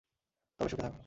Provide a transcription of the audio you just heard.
তবে সুখে থাকো।